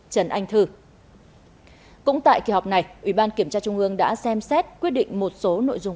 trần anh thư cũng tại kỳ họp này ủy ban kiểm tra trung ương đã xem xét quyết định một số nội dung